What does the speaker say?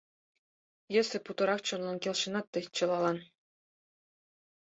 «Йӧсӧ путырак чонлан Келшенат тый чылалан.